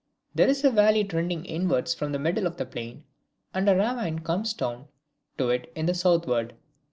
There is a valley trending inwards from the middle of the plain, and a ravine comes down to it to the southward.